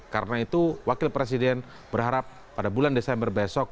karena itu wakil presiden berharap pada bulan desember besok